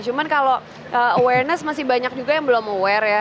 cuman kalau awareness masih banyak juga yang belum aware ya